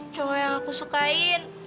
cowok yang aku sukain